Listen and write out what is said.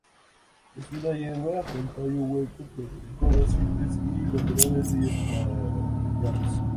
Es una hierba, con tallo hueco con tricomas simples y glandulares y estrellados.